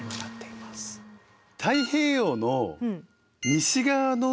太平洋の西側の海